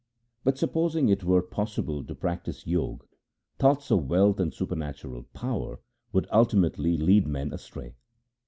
But, supposing it were possible to practise Jog, thoughts of wealth and supernatural power would ultimately lead men astray.